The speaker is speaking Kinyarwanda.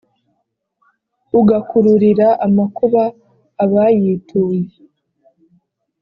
ugakururira amakuba abayituye;